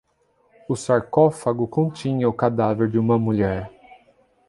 O sarcófago continha o cadáver de uma mulher.